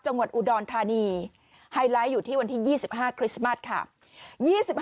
จังหวัดอุดรธานีไฮไลท์อยู่ที่วันที่๒๕คริสต์มัสค่ะ